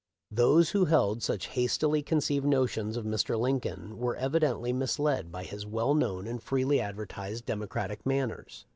Those who held such hastily conceived notions of Mr. Lincoln were evidently misled by his well known and freely advertised Democratic manners.